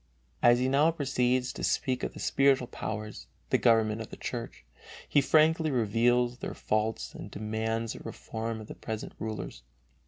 As he now proceeds to speak of the spiritual powers, the government of the Church, he frankly reveals their faults and demands a reform of the present rulers.